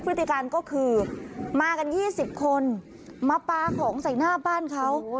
พฤติการก็คือมากัน๒๐คนมาปลาของใส่หน้าบ้านเขา